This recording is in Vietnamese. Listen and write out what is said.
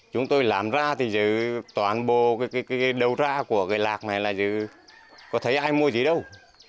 chúng tôi làm ra thì giữ toàn bộ đầu ra của cái lạc này là có thấy ai mua gì đâu